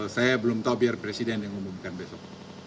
saya belum tahu biar presiden yang umumkan besok